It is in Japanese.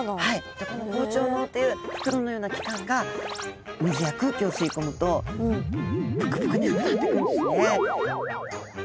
でこの膨張のうという袋のような器官が水や空気を吸い込むとぷくぷくに膨らんでいくんですね。